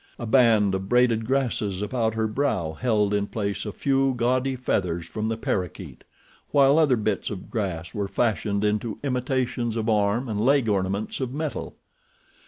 A band of braided grasses about her brow held in place a few gaudy feathers from the parakeet, while other bits of grass were fashioned into imitations of arm and leg ornaments of metal.